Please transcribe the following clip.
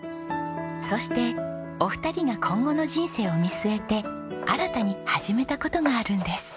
そしてお二人が今後の人生を見据えて新たに始めた事があるんです。